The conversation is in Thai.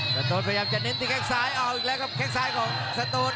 สตูนพยายามจะเน้นที่แข้งซ้ายเอาอีกแล้วครับแค่งซ้ายของสตูน